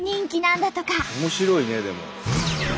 面白いねでも。